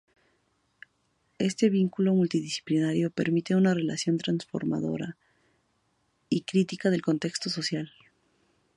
Ese vínculo multidisciplinario permite una relación transformadora y crítica del contexto social.